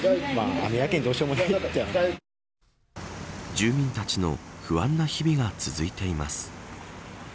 住民たちの不安な日々が続いています。